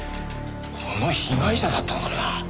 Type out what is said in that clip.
この被害者だったのかもな。